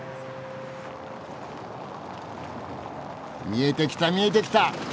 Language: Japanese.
見えてきた見えてきた！